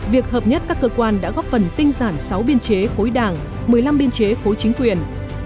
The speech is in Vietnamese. việc hợp nhất các cơ quan đã góp phần tinh giản sáu biên chế khối đảng một mươi năm biên chế khối chính quyền